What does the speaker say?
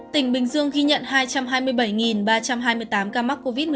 tỉnh bình dương ghi nhận hai trăm hai mươi bảy ba trăm hai mươi tám ca mắc covid một mươi chín